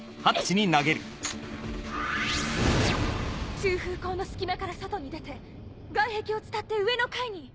通風口の隙間から外に出て外壁を伝って上の階に。